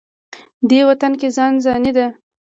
دې وطن کې ځان ځاني ده.